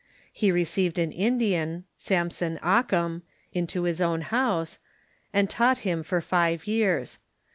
He received an In dian, Samson Occum, into his own house, and taught him for five years.